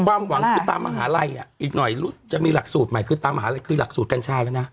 ความหวังคือตามมหาลัยอีกหน่อยจะมีหลักสูตรใหม่คือตามหาลัยคือหลักสูตรกัญชาแล้วนะ